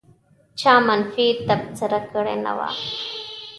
چا منفي تبصره کړې نه وه.